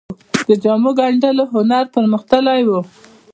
د جامو ګنډلو هنر پرمختللی و